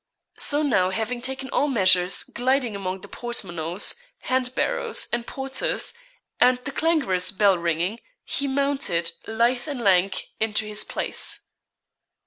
So now having taken all measures, gliding among the portmanteaus, hand barrows, and porters, and the clangorous bell ringing, he mounted, lithe and lank, into his place.